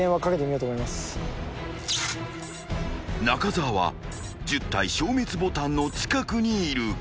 ［中澤は１０体消滅ボタンの近くにいる］